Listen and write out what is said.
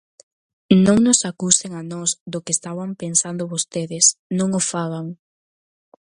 Non nos acusen a nós do que estaban pensando vostedes, non o fagan.